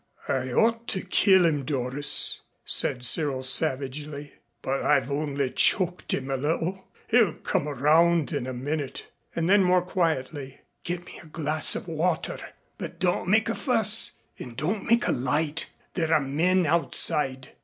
"I ought to kill him, Doris," said Cyril savagely, "but I've only choked him a little. He'll come around in a minute." And then more quietly: "Get me a glass of water, but don't make a fuss, and don't make a light. There are men outside."